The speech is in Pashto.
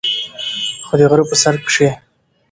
خو د غرۀ پۀ سر کښې